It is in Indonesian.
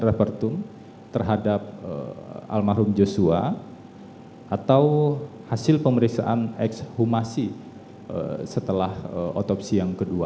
repertum terhadap almarhum joshua atau hasil pemeriksaan ekshumasi setelah otopsi yang kedua